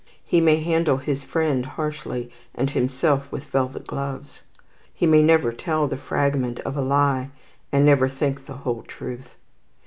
He may handle his friend harshly, and himself with velvet gloves. He may never tell the fragment of a lie, and never think the whole truth.